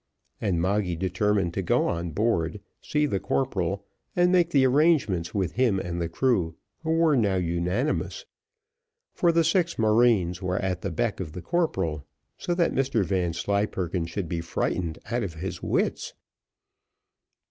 And Moggy determined to go on board, see the corporal, and make the arrangements with him and the crew, who were now unanimous, for the six marines were at the beck of the corporal, so that Mr Vanslyperken should be frightened out of his wits.